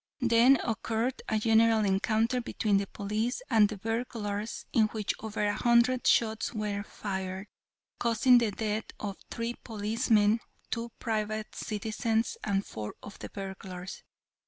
Then occurred a general encounter between the police and the burglars in which over a hundred shots were fired, causing the death of three policemen, two private citizens and four of the burglars.